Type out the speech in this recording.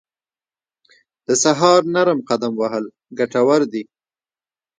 د سهار نرم قدم وهل ګټور دي.